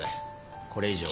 これ以上は。